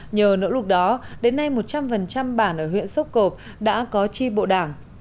nhờ nỗ lực đó đến nay một trăm linh bản ở huyện sốc cộp đã có tri bộ đảng